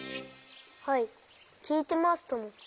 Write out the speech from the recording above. はいきいてますとも。